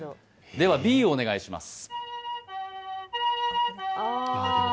では、Ｂをお願いします。